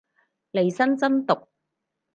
利申真毒